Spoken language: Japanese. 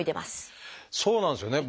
そうなんですよね。